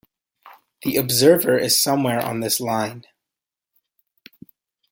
The observer is somewhere on this line.